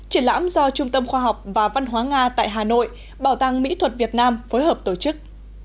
triển lãm do trung tâm khoa học và văn hóa nga tại hà nội bảo tàng mỹ thuật việt nam phối hợp tổ chức